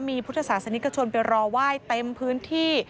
มีพุทธศาสนิกชนไปรอไหว้เต็มพื้นที่